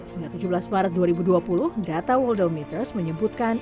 dengan tujuh belas maret dua ribu dua puluh data worldometers menyebutkan